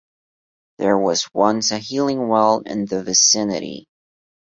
There was once a healing well in the vicinity.